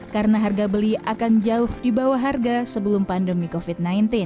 karena harga beli akan jauh di bawah harga sebelum pandemi covid sembilan belas